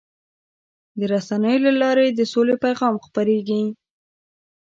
د رسنیو له لارې د سولې پیغام خپرېږي.